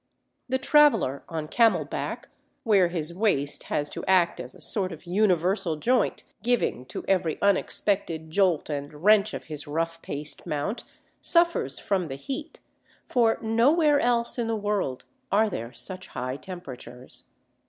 The traveller on camel back, where his waist has to act as a sort of universal joint giving to every unexpected jolt and wrench of his rough paced mount, suffers from the heat, for nowhere else in the world are there such high temperatures.